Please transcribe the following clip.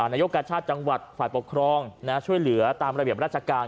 นายกกาชาติจังหวัดฝ่ายปกครองช่วยเหลือตามระเบียบราชการ